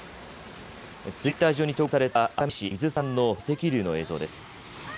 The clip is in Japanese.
ツイッター上に投稿された熱海市伊豆山の土石流の映像です。